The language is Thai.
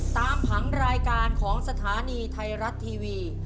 ผังรายการของสถานีไทยรัฐทีวี